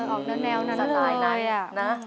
ออกแนวสัตว์ไลน์น่ะ